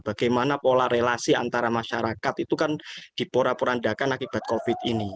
bagaimana pola relasi antara masyarakat itu kan dipora porandakan akibat covid ini